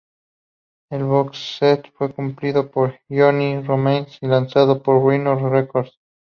El boxset fue compilado por Johnny Ramone y lanzado por Rhino Records.